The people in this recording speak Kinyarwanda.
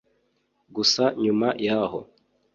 Gusa nyuma yaho